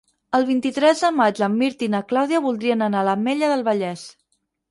El vint-i-tres de maig en Mirt i na Clàudia voldrien anar a l'Ametlla del Vallès.